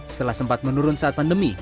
setelah sempat menurun saat pandemi